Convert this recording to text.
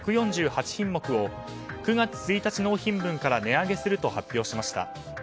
１４８品目を９月１日納品分から値上げすると発表しました。